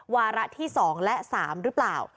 วาระที่๒และ๓หรือเปล่า